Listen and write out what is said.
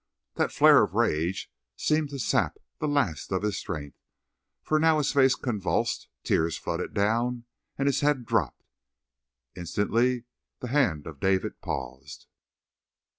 That flare of rage seemed to sap the last of his strength, for now his face convulsed, tears flooded down, and his head dropped. Instantly the hand of David paused.